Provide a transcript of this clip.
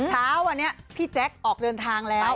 เช้าวันนี้พี่แจ๊คออกเดินทางแล้ว